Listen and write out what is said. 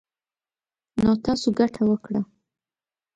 نـو تـاسو ګـټـه وكړه.